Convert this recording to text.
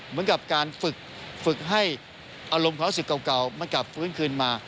เหมือนกับการฝึกให้อารมณ์ความรู้สึกเก่ามันกลับฟื้นคืนมา